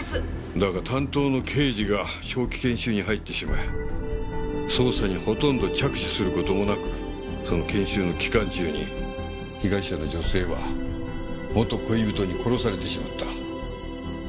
だが担当の刑事が長期研修に入ってしまい捜査にほとんど着手する事もなくその研修の期間中に被害者の女性は元恋人に殺されてしまった。